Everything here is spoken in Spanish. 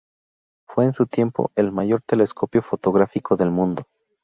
Fue en su tiempo el mayor telescopio fotográfico del mundo.